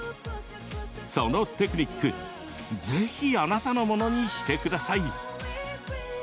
そのテクニック、ぜひあなたのものにしてください。